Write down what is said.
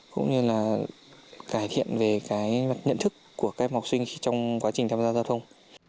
cũng như là cải thiện về cái nhận thức của các em học sinh trong quá trình tham gia giao thông